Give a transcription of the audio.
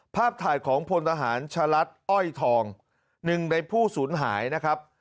ภาพถ่ายของพลทหารชะลัดอ้อยทองหนึ่งในผู้สูญหายนะครับ